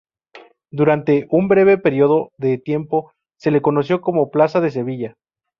Durante un breve periodo de tiempo se le conoció como "plaza de Sevilla".